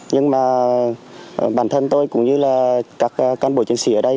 nhưng mà bản thân tôi cũng như là các cán bộ chiến sĩ ở đây